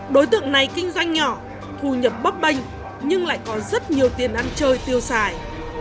đối tượng này kinh doanh nhỏ thu nhập bấp bênh nhưng lại có rất nhiều tiền ăn chơi tiêu xài